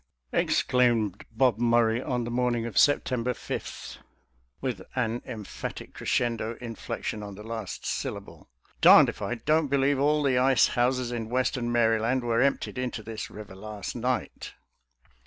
exclaimed Bob Murray on the morning of September 5, with an emphatic cre scendo inflection on the last syllable. " Darned if I don't believe all the ice houses in western Maryland were emptied into this river last night."